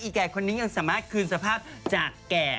แก่คนนี้ยังสามารถคืนสภาพจากแก่